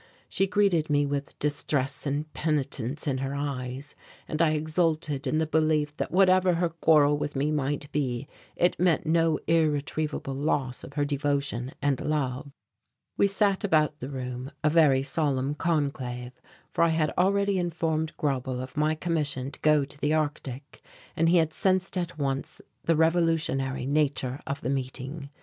She greeted me with distress and penitence in her eyes and I exulted in the belief that whatever her quarrel with me might be it meant no irretrievable loss of her devotion and love. We sat about the room, a very solemn conclave, for I had already informed Grauble of my commission to go to the Arctic, and he had sensed at once the revolutionary nature of the meeting.